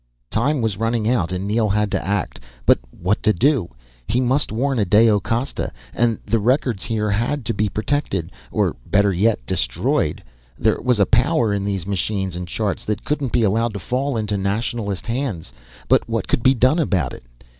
Time was running out and Neel had to act. But what to do? He must warn Adao Costa. And the records here had to be protected. Or better yet destroyed. There was a power in these machines and charts that couldn't be allowed to fall into nationalist hands. But what could be done about it?